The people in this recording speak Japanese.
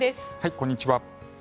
こんにちは。